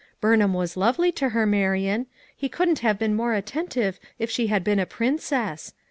Burnham was lovely to her, Marian; he couldn't have been more attentive if she had heen a princess.